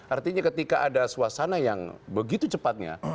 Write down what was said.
artinya ketika ada suasana yang begitu cepatnya